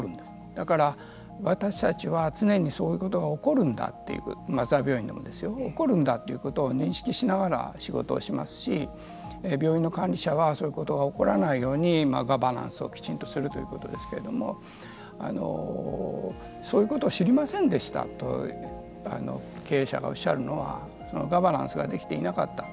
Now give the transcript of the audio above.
だから、私たちは常にそういうことが起こるんだという松沢病院でもですよ起こるんだということを認識しながら仕事をしますし病院の管理者はそういうことが起こらないようにガバナンスをきちんとするということですけれどもそういうことを知りませんでしたと経営者がおっしゃるのはガバナンスができていなかった。